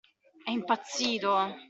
È impazzito!